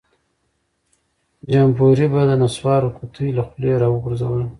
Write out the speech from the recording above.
جمبوري به د نسوارو قطۍ له خولۍ راوغورځوله.